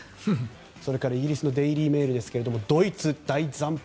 それからイギリスのデイリー・メールですがドイツ大惨敗。